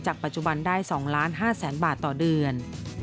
จากปัจจุบันได้๒๕ล้านบาทต่อเดือน